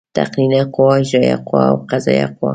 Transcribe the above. تقنینیه قوه، اجرائیه قوه او قضایه قوه.